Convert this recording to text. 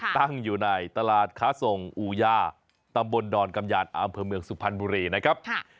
ตั้งอยู่ในตลาดค้าส่งอูยาตำบลดอนกำยานอำเภอเมืองสุพรรณบุรีนะครับ